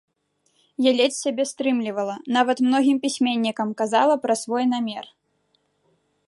Я ледзь сябе стрымлівала, нават многім пісьменнікам казала пра свой намер.